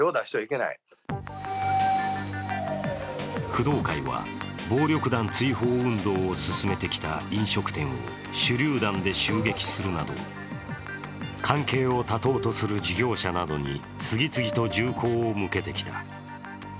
工藤会は暴力団追放運動を進めてきた飲食店を手りゅう弾で襲撃するなど、関係を断とうとする事業者などに次々と銃口を向けてきた。